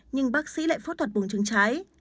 nhưng bác sĩ lại phẫu thuật bùng trứng trái